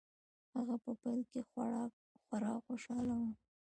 هغه په پيل کې خورا خوشحاله و.